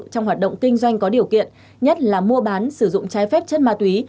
trong hoạt động kinh doanh có điều kiện nhất là mua bán sử dụng trái phép chất ma túy